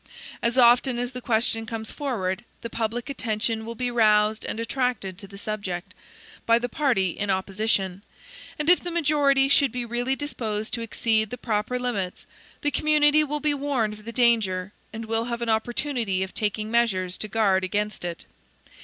As often as the question comes forward, the public attention will be roused and attracted to the subject, by the party in opposition; and if the majority should be really disposed to exceed the proper limits, the community will be warned of the danger, and will have an opportunity of taking measures to guard against it.